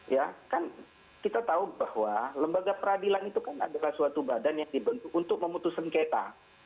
ya kan kita tahu bahwa lembaga peradilan itu kan adalah suatu badan yang dibentuk untuk memutus sengketa